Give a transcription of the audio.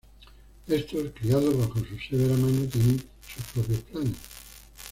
Estos, criados bajo su severa mano, tienen sus propios planes.